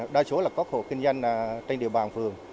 đa số là các hộ kinh doanh trên địa bàn phường